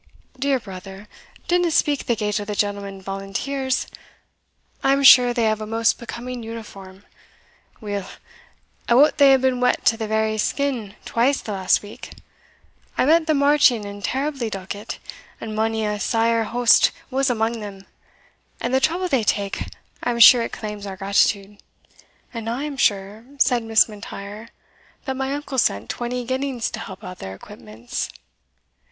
"Dear brother, dinna speak that gate o' the gentlemen volunteers I am sure they have a most becoming uniform Weel I wot they have been wet to the very skin twice last week I met them marching in terribly doukit, an mony a sair hoast was amang them And the trouble they take, I am sure it claims our gratitude." "And I am sure," said Miss M'Intyre, "that my uncle sent twenty guineas to help out their equipments."